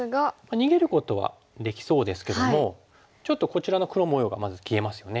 逃げることはできそうですけどもちょっとこちらの黒模様がまず消えますよね。